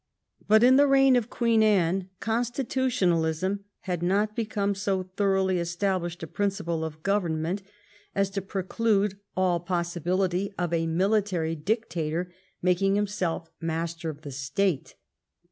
But in the reign of Queen Anne constitutional ism had not become so thoroughly established a prin ciple of government as to preclude all possibility of a military dictator making himself master of the state.